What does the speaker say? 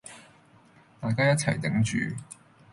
大家一齊頂住